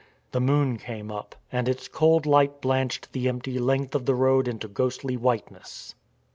The moon came up, and its cold light blanched the empty length of the road into ghostly whiteness.